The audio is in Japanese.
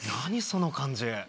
その感じ